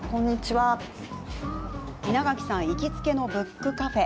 稲垣さん行きつけのブックカフェ。